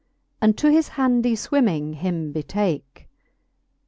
And to his handy fwimming him betake.